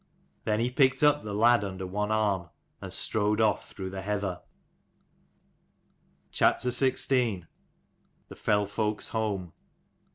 Then he picked up the lad under one arm, and strode off through the heather. 9* CHAPTER XVI. THE FELL FOLK'S HOME.